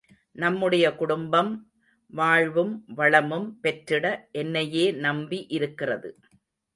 நம்முடைய குடும்பம், வாழ்வும் வளமும் பெற்றிட என்னையே நம்பி இருக்கிறது.